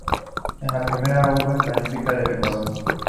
Es la primera urbe planificada del Ecuador.